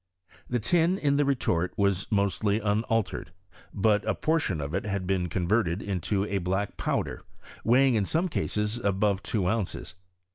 The tin in the retort was mostly unaltered, but a portion of it had been con verted into a black powder, weighing in some cases above two ounces.